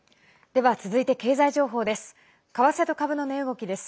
では続いて経済情報です。